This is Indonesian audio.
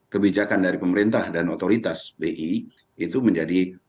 kebijakan dari pemerintah dan otoritas bi itu menjadi